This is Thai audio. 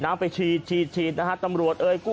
มันโดดแล้วหรอ